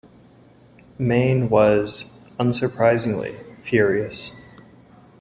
Mayne was, unsurprisingly, furious.